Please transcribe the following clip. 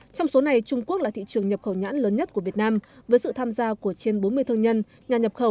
trong số này trung quốc là thị trường nhập khẩu nhãn lớn nhất của việt nam với sự tham gia của trên bốn mươi thương nhân